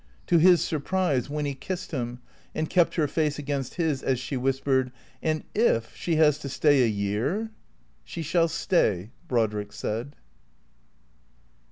To his surprise Winny kissed him and kept her face against his as she whispered, " And if — she has to stay a year ?"" She shall stay," Brodrick said.